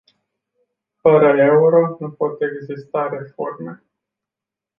Fără euro nu pot exista reforme.